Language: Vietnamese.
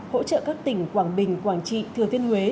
hỗ trợ các tỉnh quảng bình quảng trị thừa thiên huế